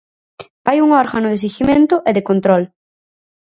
Hai un órgano de seguimento e de control.